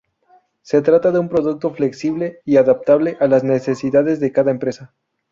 Se trata de un producto flexible y adaptable a las necesidades de cada empresa.